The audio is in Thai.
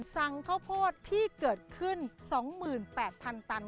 สั่งข้าวโพดที่เกิดขึ้น๒๘๐๐๐ตัน